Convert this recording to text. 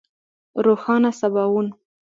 روښانه سباوون